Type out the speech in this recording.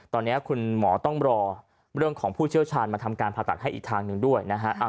ตอนนี้คุณหมอต้องรอเรื่องของผู้เชี่ยวชาญมาทำการผ่าตัดให้อีกทางหนึ่งด้วยนะฮะ